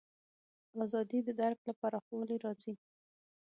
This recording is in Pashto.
ازادي د درک له پراخوالي راځي.